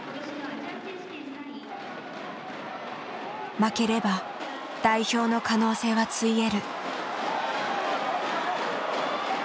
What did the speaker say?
負ければ代表の可能性はついえる。